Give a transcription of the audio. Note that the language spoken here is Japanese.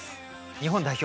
日本代表